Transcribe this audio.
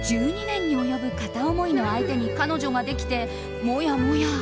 １２年に及ぶ片思いの相手に彼女ができて、もやもや。